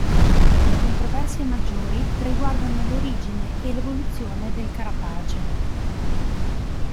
Le controversie maggiori riguardano l'origine e l'evoluzione del carapace.